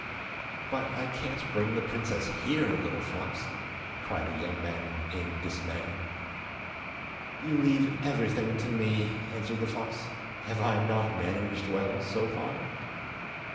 "But I can't bring the princess here, little fox?" cried the young man in dismay. "You leave everything to me," answered the fox; "have I not managed well so far?"